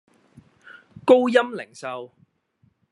高鑫零售